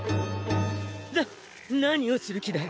な何をする気だい？